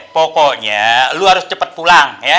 pokoknya lo harus cepat pulang ya